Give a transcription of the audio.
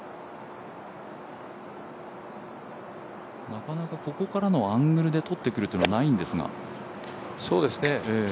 なかなかここからのアングルで撮ってくるというのはないんですが。